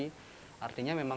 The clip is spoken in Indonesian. artinya memang tidak berubah